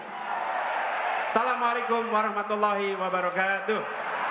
assalamualaikum warahmatullahi wabarakatuh